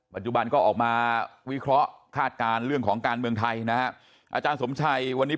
ปัจจุบันก็ออกมาวิเคราะห์คาดการณ์เรื่องของการเมืองไทยนะฮะอาจารย์สมชัยวันนี้